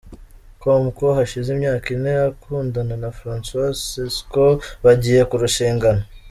com ko hashize imyaka ine akundana na Francois Cesco bagiye kurushingana.